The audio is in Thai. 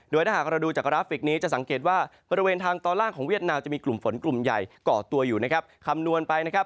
ถ้าหากเราดูจากกราฟิกนี้จะสังเกตว่าบริเวณทางตอนล่างของเวียดนามจะมีกลุ่มฝนกลุ่มใหญ่ก่อตัวอยู่นะครับคำนวณไปนะครับ